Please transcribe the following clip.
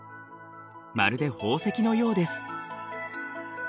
まるで宝石のようです。